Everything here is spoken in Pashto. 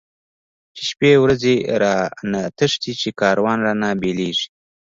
چی شپی ورځی را نه تښتی، چی کاروان را نه بیلیږی